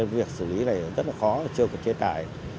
việc xử lý này rất là khó chưa có chế tài